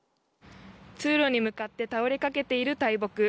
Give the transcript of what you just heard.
通路に向かって倒れかけている大木。